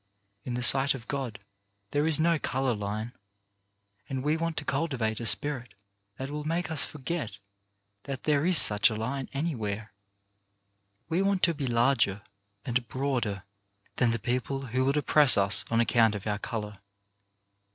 In the sight of God there is no colour line, and we want to cultivate a spirit that will make us forget that there is such a line anywhere. We want to be larger and broader than the people who would oppress us on account of our colour.